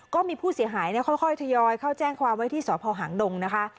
ก็มีผู้เสียหายค่อยทยอยเข้าแจ้งความไว้ที่สพหางดงนะคะ